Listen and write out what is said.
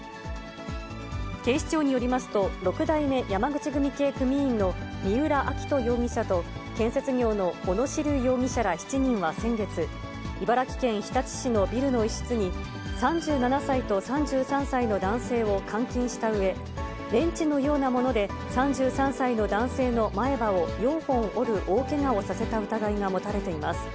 警視庁によりますと、６代目山口組系組員の三浦亮人容疑者と、建設業の小野子竜容疑者ら７人は先月、茨城県日立市のビルの一室に、３７歳と３３歳の男性を監禁したうえ、レンチのようなもので３３歳の男性の前歯を４本折る大けがをさせた疑いが持たれています。